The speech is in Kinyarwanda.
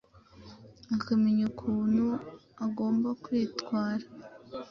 akamenya ukuntu agomba kwitwara